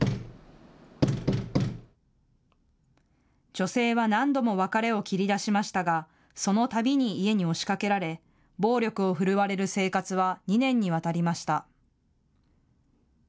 女性は何度も別れを切り出しましたがそのたびに家に押しかけられ暴力を振るわれる生活は２年にわたりました。